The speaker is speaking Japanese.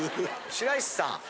白石さん